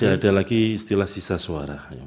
tidak ada lagi istilah sisa suara